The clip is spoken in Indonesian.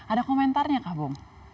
ada komentarnya kah bung